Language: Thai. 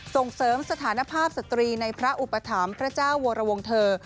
ส่งเสริมสถานภาพสตรีในพระอุปถัมภ์พระเจ้าวรวงเทอร์